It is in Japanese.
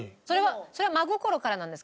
それは真心からなんですか？